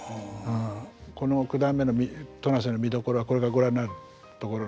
この九段目の戸無瀬の見どころはこれからご覧になるところのね